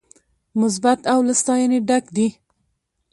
مثبت او له ستاينې ډک دي